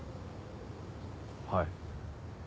はい。